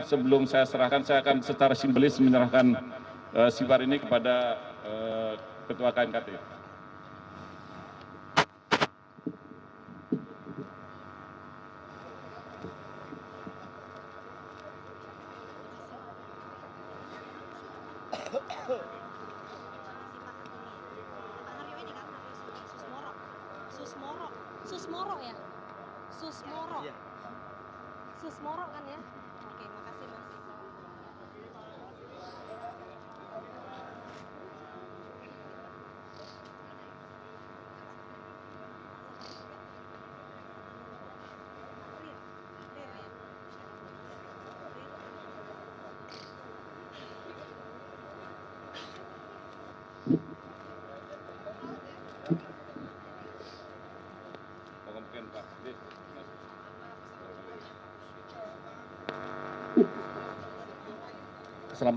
sebelum saya serahkan saya akan secara simbolis menyerahkan sipar ini kepada ketua knkt